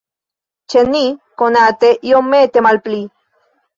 Ĉe ni, konate, iomete malpli.